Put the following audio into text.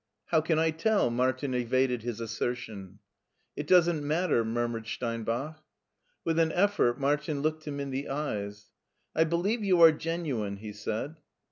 " How can I tell ?" Martin evaded his assertion. '* It doesn't matter," murmured Steinbach. With an effort Martin looked him in the eyes. I believe you are genuine," he said.